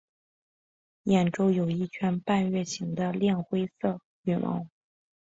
眼周有一圈半月形的亮灰色羽毛。